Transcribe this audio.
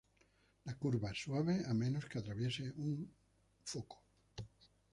La curva es suave a menos que atraviese un foco.